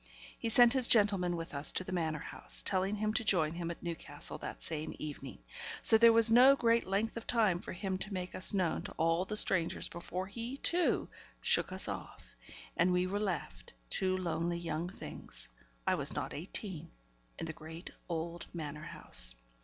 He sent his gentleman with us to the Manor House, telling him to join him at Newcastle that same evening; so there was no great length of time for him to make us known to all the strangers before he, too, shook us off; and we were left, two lonely young things (I was not eighteen) in the great old Manor House.